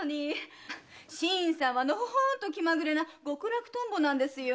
新さんはノホホンと気まぐれな極楽トンボなんですよ。